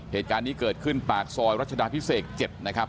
เหตุการณ์นี้เกิดขึ้นปากซอยรัชดาพิเศษ๗นะครับ